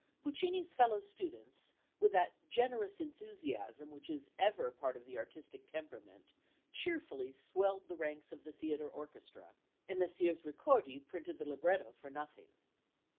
Puccini's fellow students, with that generous enthusiasm which is ever part of the artistic temperament, cheerfully swelled the ranks of the theatre orchestra, and Messrs. Ricordi printed the libretto for nothing.